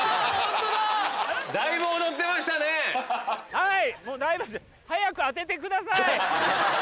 はい！